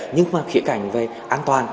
nhưng mà khỉ cảnh về an toàn